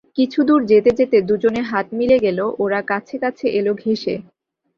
কিছুদূরে যেতে যেতে দুজনের হাত মিলে গেল, ওরা কাছে কাছে এল ঘেঁষে।